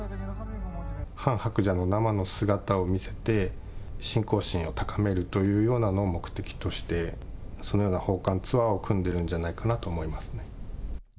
ハン・ハクチャの生の姿を見せて、信仰心を高めるというようなのを目的として、そのような訪韓ツアーを組んでいるんじゃないかなと思いますね。